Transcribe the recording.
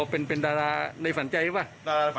อ๋อเป็นดาราในฝันใจไหม